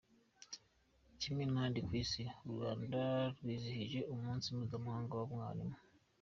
Kimwe n'ahandi kw'isi u rwanda rwizihije Umunsi mpuzamahanga w'umwarimu.